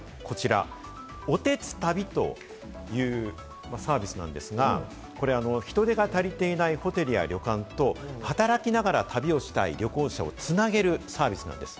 こちら、「おてつたび」というサービスなんですが、これ、人手が足りていないホテルや旅館と、働きながら旅をしたい旅行者をつなげるサービスなんです。